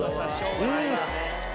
うん！